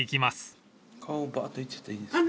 顔バーっといっちゃっていいですか？